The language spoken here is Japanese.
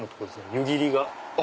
湯切りが。